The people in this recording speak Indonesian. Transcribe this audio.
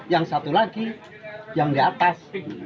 yang satu lagi yang di atas